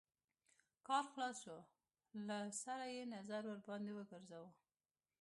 کار خلاص شو له سره يې نظر ورباندې وګرځوه.